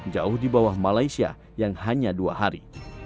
jauh di bawah malaysia yang hanya dua hari